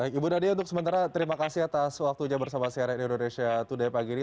baik ibu nadia untuk sementara terima kasih atas waktunya bersama cnn indonesia today pagi ini